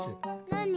なに？